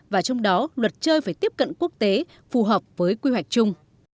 và trong đó luật chơi phải tiếp cận quốc tế phù hợp với quy hoạch chung